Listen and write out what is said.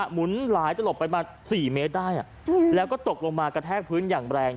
หุนหลายตลบไปมา๔เมตรได้แล้วก็ตกลงมากระแทกพื้นอย่างแรง